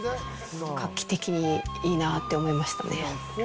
画期的でいいなぁと思いましたね。